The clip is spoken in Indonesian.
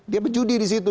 dia berjudi di situ